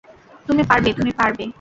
তুমি পারবে, তুমি পারবে।